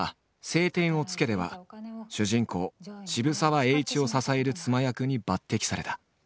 「青天を衝け」では主人公渋沢栄一を支える妻役に抜てきされた。